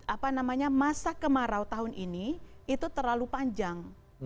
apa namanya masa kemarau tahun ini itu terlalu panjang